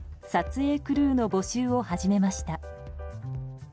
撮影クルーの募集を始めました。